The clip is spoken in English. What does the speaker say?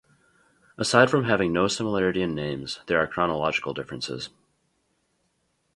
Aside from having no similarity in names, there are chronological differences.